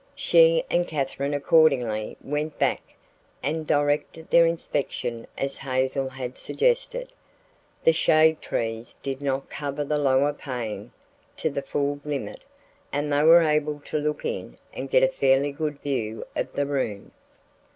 She and Katherine accordingly went back and directed their inspection as Hazel had suggested. The shade trees did not cover the lower pane to the full limit and they were able to look in and get a fairly good view of the room.